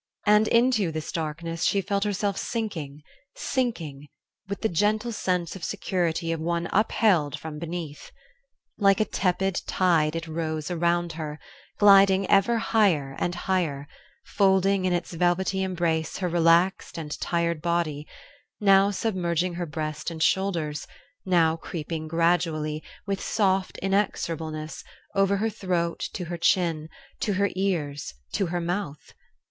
And into this darkness she felt herself sinking, sinking, with the gentle sense of security of one upheld from beneath. Like a tepid tide it rose around her, gliding ever higher and higher, folding in its velvety embrace her relaxed and tired body, now submerging her breast and shoulders, now creeping gradually, with soft inexorableness, over her throat to her chin, to her ears, to her mouth....